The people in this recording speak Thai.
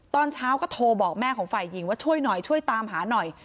ตอนเช้าก็โทรบอกแม่ของฝ่ายหญิงว่าช่วยหน่อยช่วยตามหาหน่อย